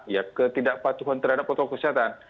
ya ketidakpatuhan terhadap protokol kesehatan